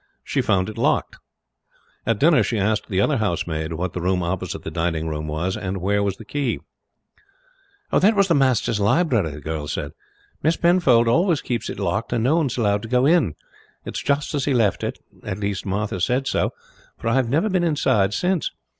She found it locked. At dinner she asked the other housemaid what the room opposite the dining room was, and where was the key. "That was master's library," the girl said. "Miss Penfold always keeps it locked, and no one is allowed to go in. It's just as he left it; at least Martha said so, for I have never been inside since.